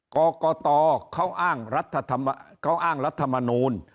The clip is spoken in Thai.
กรกตเขาอ้างรัฐธรรมเขาอ้างรัฐมนูล